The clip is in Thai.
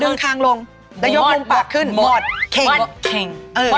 ดึงคางลงแล้วยกมุมปากขึ้นหมดเข็ง